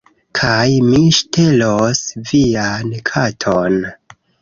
Kaj mi ŝtelos vian katon